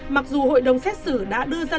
mặc dù hội đồng xét xử đã đưa ra